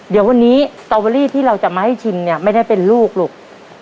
เดี๋ยววันนี้สตอเวอรี่ที่เราจะมาให้ชิมเนี่ยไม่ได้เป็นลูกลูก